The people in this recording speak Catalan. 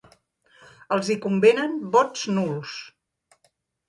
Els hi convenen vots nuls!